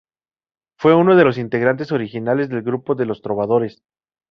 Fue uno de los integrantes originales del grupo Los Trovadores.